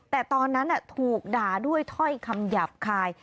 แต่ตอนนั้นถูกด่าด้วยถ้อยคำหยาบคาย